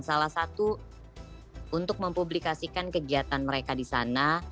salah satu untuk mempublikasikan kegiatan mereka di sana